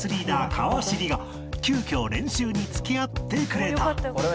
川尻が急きょ練習に付き合ってくれた